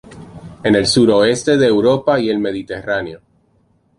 En el suroeste de Europa y el Mediterráneo.